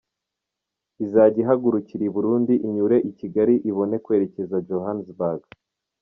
Izajya ihagurukira i Burundi inyure i Kigali ibone kwerekeza Johanesbourg.